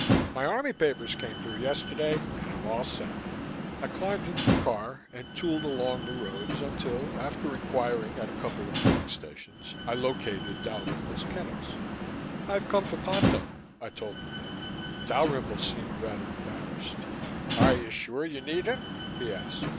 My Army papers came through yesterday and I'm all set." I climbed into my car and tooled along the roads until, after inquiring at a couple of filling stations, I located Dalrymple's kennels. "I've come for Ponto," I told the vet. Dalrymple seemed rather embarrassed. "Are you sure you need him?" he asked.